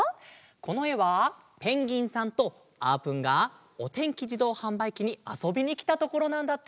このえはペンギンさんとあーぷんがおてんきじどうはんばいきにあそびにきたところなんだって。